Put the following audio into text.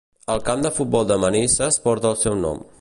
El camp de futbol de Manises porta el seu nom.